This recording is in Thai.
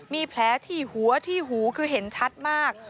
มีแผลที่หัวที่หูคือเห็นชัดมาก